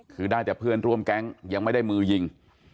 คือได้แต่เพื่อนร่วมแก๊งยังไม่ได้มือยิง